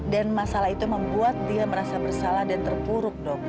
dan masalah itu membuat dia merasa bersalah dan terpuruk dok